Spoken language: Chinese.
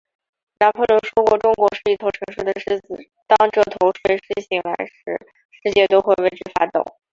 拿破仑说过，中国是一头沉睡的狮子，当这头睡狮醒来时，世界都会为之发抖。